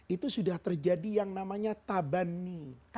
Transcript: itu sudah terjadi yang namanya tabani